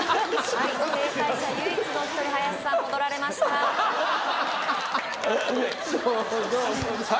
はい不正解者唯一のお一人林さん戻られましたははは